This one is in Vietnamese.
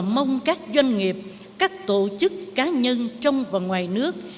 mong các doanh nghiệp các tổ chức cá nhân trong và ngoài nước